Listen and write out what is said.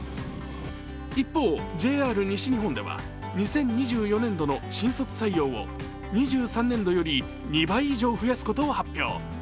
一方、ＪＲ西日本では２０２４年度の新卒採用を２３年度より２倍以上増やすことを発表。